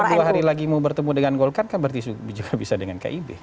karena dua hari lagi mau bertemu dengan golkar kan berarti juga bisa dengan kib